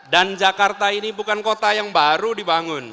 dan jakarta ini bukan kota yang baru dibangun